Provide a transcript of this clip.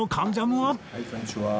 はいこんにちは。